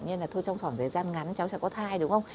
nên là thôi trong khoảng thời gian ngắn cháu sẽ có thai đúng không